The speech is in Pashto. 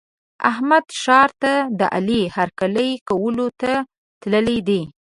احمد ښار ته د علي هرکلي کولو ته تللی دی.